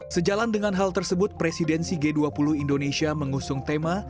sejalan dengan hal tersebut presidensi g dua puluh indonesia mengusung tema